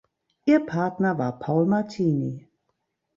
Ihr Partner war Paul Martini.